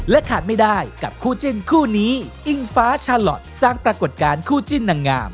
ขาดไม่ได้กับคู่จิ้นคู่นี้อิงฟ้าชาลอทสร้างปรากฏการณ์คู่จิ้นนางงาม